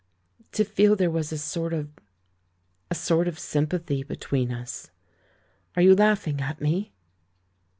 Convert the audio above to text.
to feel there was a sort of — a sort of sym pathy between us. Are you laughing at me?"